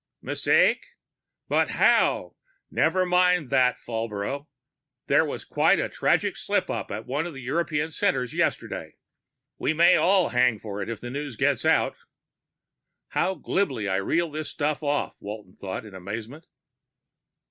"Mistake? But how " "Never mind that, Falbrough. There was quite a tragic slip up at one of the European centers yesterday. We may all hang for it if news gets out." How glibly I reel this stuff off, Walton thought in amazement.